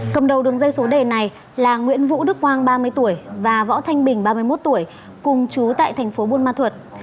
cầm đầu đường dây số đề này là nguyễn vũ đức quang ba mươi tuổi và võ thanh bình ba mươi một tuổi cùng chú tại thành phố buôn ma thuật